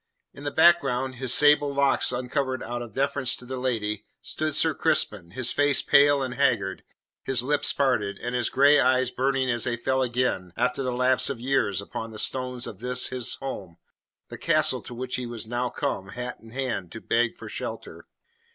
In the background, his sable locks uncovered out of deference to the lady, stood Sir Crispin, his face pale and haggard, his lips parted, and his grey eyes burning as they fell again, after the lapse of years, upon the stones of this his home the castle to which he was now come, hat in hand, to beg for shelter.